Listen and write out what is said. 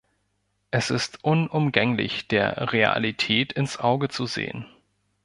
Es ist unumgänglich, der Realität ins Auge zu sehen.